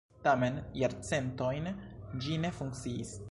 Tamen jarcentojn ĝi ne funkciis.